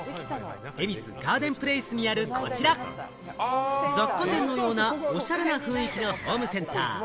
恵比寿ガーデンプレイスにあるこちら、雑貨店のようなおしゃれな雰囲気のホームセンター。